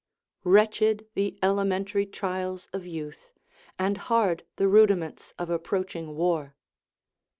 ["Wretched the elementary trials of youth, and hard the rudiments of approaching war."